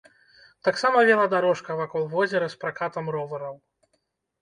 Таксама веладарожка вакол возера з пракатам ровараў.